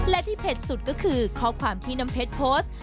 และที่เผ็ดสุดก็คือข้อความที่น้ำเพชรโพสต์